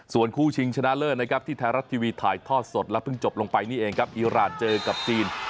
ส่วนคู่ชิงชนะเลิศนะครับที่ไทยรัฐทีวีถ่ายทอดสดและเพิ่งจบลงไปนี่เองครับอีรานเจอกับจีน